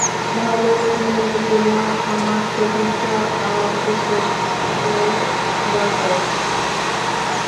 ভালো লেনদেনের জন্য আমার যথেষ্ট আর্টিফেক্টের দরকার।